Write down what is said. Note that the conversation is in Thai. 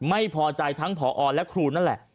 ไม่พอใจทั้งผอและครูนั่นแหละ